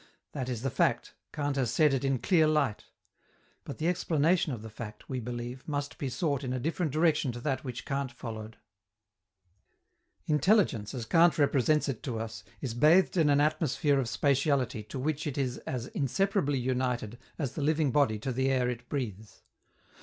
That is the fact. Kant has set it in clear light. But the explanation of the fact, we believe, must be sought in a different direction to that which Kant followed. Intelligence, as Kant represents it to us, is bathed in an atmosphere of spatiality to which it is as inseparably united as the living body to the air it breathes.